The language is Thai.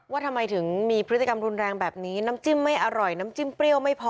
ว่าทำไมถึงมีพฤติกรรมรุนแรงแบบนี้น้ำจิ้มไม่อร่อยน้ำจิ้มเปรี้ยวไม่พอ